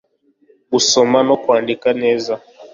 gusoma no kwandika neza